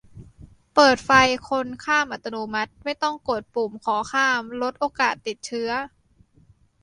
- เปิดไฟคนข้ามอัตโนมัติ ไม่ต้องกดปุ่มขอข้าม ลดโอกาสติดเชื้อ